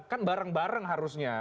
kan bareng bareng harusnya